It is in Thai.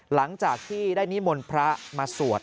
หลังจากที่ได้นิมนต์พระมาสวด